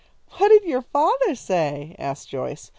"What did your father say?" asked Joyce.